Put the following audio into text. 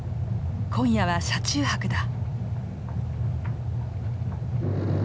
今夜は車中泊だ。